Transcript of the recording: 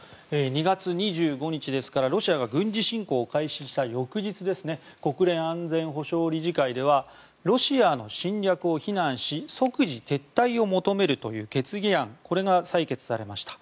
２月２５日ですからロシアが軍事侵攻を開始した翌日国連安全保障理事会ではロシアの侵略を非難し即時撤退を求めるという決議案が採決されました。